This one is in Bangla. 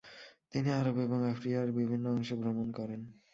তিনি আরব এবং আফ্রিকার বিভিন্ন অংশে ভ্রমণ করেন।